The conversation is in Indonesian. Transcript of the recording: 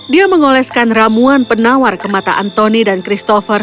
dia mengoleskan ramuan penawar ke mata anthony dan christopher